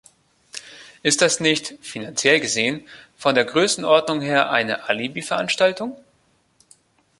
Ist das nicht, finanziell gesehen, von der Größenordnung her eine Alibiveranstaltung?